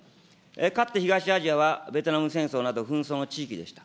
かつて東アジアはベトナム戦争など紛争の地域でした。